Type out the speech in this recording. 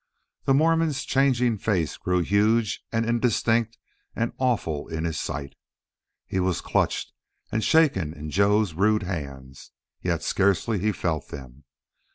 The Mormon's changing face grew huge and indistinct and awful in his sight. He was clutched and shaken in Joe's rude hands, yet scarcely felt them.